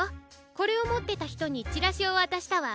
これをもってたひとにチラシをわたしたわ。